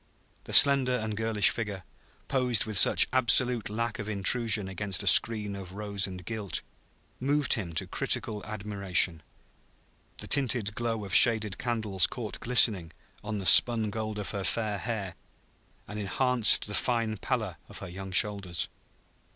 The slender and girlish figure, posed with such absolute lack of intrusion against a screen of rose and gilt, moved him to critical admiration. The tinted glow of shaded candles caught glistening on the spun gold of her fair hair, and enhanced the fine pallor of her young shoulders.